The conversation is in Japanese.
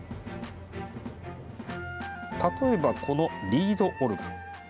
例えば、このリードオルガン。